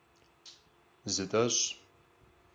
Zıt'eş'!